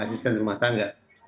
walaupun tetap ada yang mengatakan